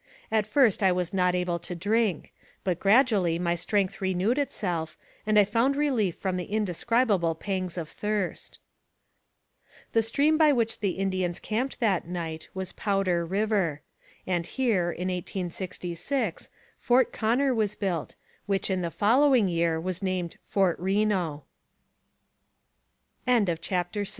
At first I was not able to drink, but gradually my strength renewed itself, and I found relief from the indescribable pangs of thirst. The stream by which the Indians camped that night was Powder River; and here, in 1866, Fort Conner was built, which in the following year was named Fort R